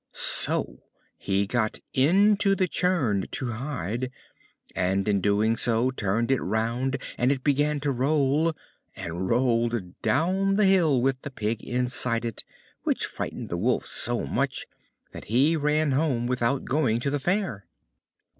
So he got into the churn to hide, and in doing so turned it round, and it began to roll, and rolled down the hill with the Pig inside it, which frightened the Wolf so much that he ran home without going to the Fair.